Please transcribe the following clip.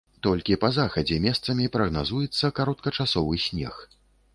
Толькі па захадзе месцамі прагназуецца кароткачасовы снег.